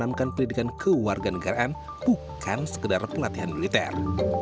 dan menanamkan pendidikan kewarganegaraan bukan sekedar pelatihan militer